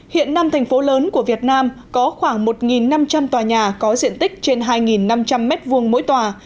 hiện năm thành phố lớn của việt nam có khoảng một năm trăm linh tòa nhà có diện tích trên hai năm trăm linh m hai mỗi tòa